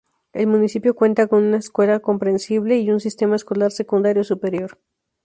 El municipio cuenta con una escuela comprensible y un sistema escolar secundario superior.